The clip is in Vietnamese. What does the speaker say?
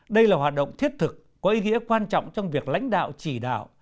đây là hoạt động thiết thực có ý nghĩa quan trọng trong việc lãnh đạo chỉ đạo